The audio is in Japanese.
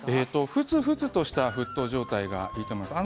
ふつふつとした沸騰状態がいいと思います。